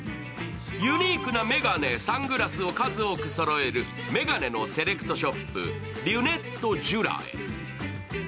ユニークな眼鏡、サングラスを数多くそろえる眼鏡のセレクトショップ、リュネット・ジュラへ。